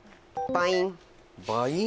バイン？